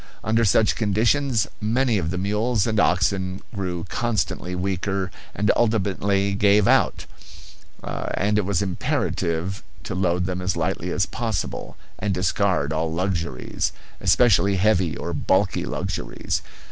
Under such conditions many of the mules and oxen grew constantly weaker and ultimately gave out; and it was imperative to load them as lightly as possible, and discard all luxuries, especially heavy or bulky luxuries.